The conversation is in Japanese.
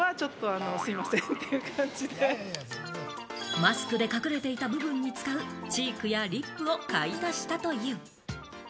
マスクで隠れていた部分に使うチークやリップを買い足したという。